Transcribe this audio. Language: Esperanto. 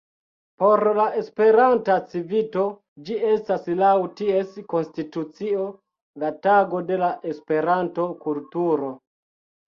Por la Esperanta Civito ĝi estas laŭ ties konstitucio la Tago de la Esperanto-kulturo.